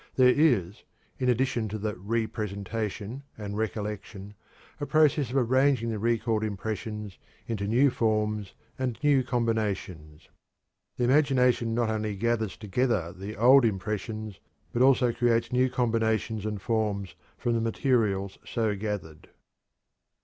There is, in addition to the re presentation and recollection, a process of arranging the recalled impressions into new forms and new combinations. The imagination not only gathers together the old impressions, but also creates new combinations and forms from the material so gathered.